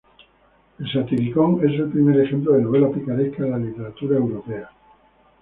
El "Satyricon" es el primer ejemplo de novela picaresca en la literatura europea.